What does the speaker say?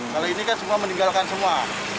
kalau ini kan semua meninggalkan semua